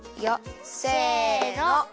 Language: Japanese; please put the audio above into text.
せの！